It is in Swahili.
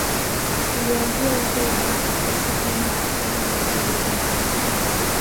Ilianzia huko Ulaya kwa kiasi fulani kutokana na sababu za ubinadamu